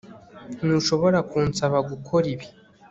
Ntushobora kunsaba gukora ibi